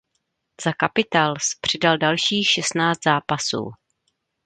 Za Capitals přidal dalších šestnáct zápasů.